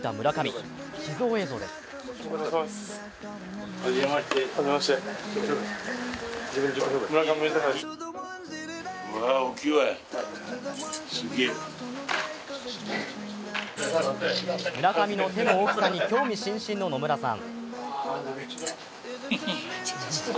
村上の手の大きさに興味津々の野村さん。